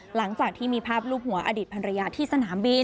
หลังจากที่มีภาพรูปหัวอดีตภรรยาที่สนามบิน